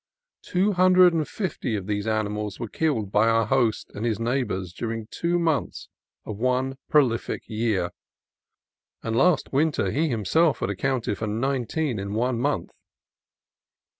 Two hundred and fifty five of these ani mals were killed by our host and his neighbors during two months of one prolific year, and last winter he himself had accounted for nineteen in one month.